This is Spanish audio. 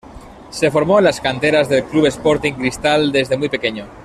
Se formó en las canteras del club Sporting Cristal desde muy pequeño.